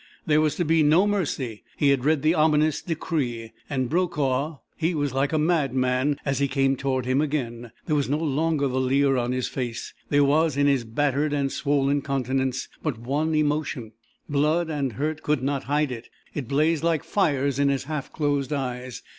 There was to be no mercy. He had read the ominous decree. And Brokaw.... He was like a madman as he came toward him again. There was no longer the leer on his face. There was in his battered and swollen countenance but one emotion. Blood and hurt could not hide it. It blazed like fires in his half closed eyes.